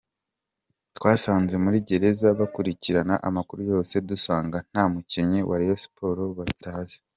Twasanze muri gereza bakurikirana amakuru yose, dusanga nta mukinnyi wa Rayon Sports batazi.